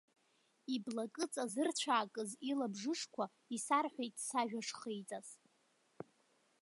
Иблакыҵа зырцәаакыз илабжышқәа исарҳәеит сажәа шхеиҵаз.